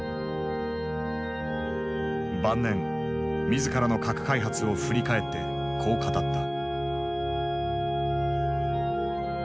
晩年自らの核開発を振り返ってこう語った。